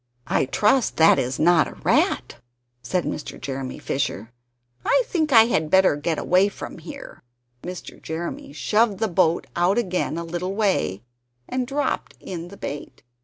"I trust that is not a rat," said Mr. Jeremy Fisher; "I think I had better get away from here." Mr. Jeremy shoved the boat out again a little way, and dropped in the bait.